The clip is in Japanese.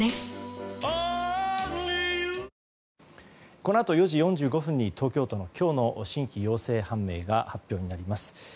このあと４時４５分に東京都の今日の新規陽性判明が発表になります。